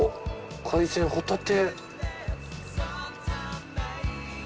海鮮ホタテ。